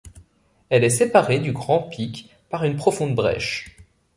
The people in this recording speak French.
Elle est séparée du Grand Pic par une profonde brèche.